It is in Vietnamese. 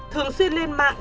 thường xuyên lên mạng